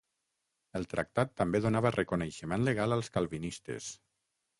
El tractat també donava reconeixement legal als calvinistes.